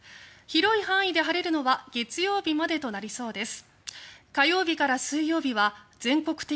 広い範囲で晴れるのは月曜日までとなりそうです。